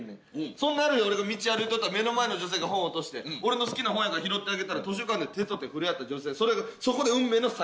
そんなある日俺が道歩いとったら目の前の女性が本落として俺の好きな本やから拾ってあげたら図書館で手と手触れ合った女性そこで運命の再会。